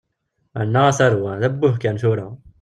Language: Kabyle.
Annaɣ, a tarwa! D abbuh kan, tura!